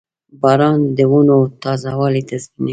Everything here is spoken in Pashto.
• باران د ونو تازهوالی تضمینوي.